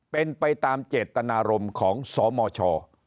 เป็นไปตามเจตนารมณ์ของสมช